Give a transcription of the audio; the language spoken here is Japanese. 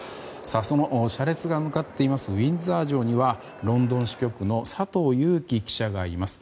その車列が向かっているウィンザー城にはロンドン支局の佐藤裕樹記者がいます。